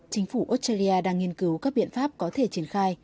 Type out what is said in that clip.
chính phủ australia đang nghiên cứu các biện pháp có thể triển khai